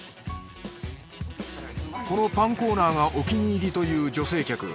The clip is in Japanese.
このパンコーナーがお気に入りという女性客。